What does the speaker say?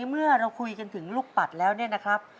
เมื่อเราคุยกันถึงลูกปัดแล้วเนี่ยนะครับ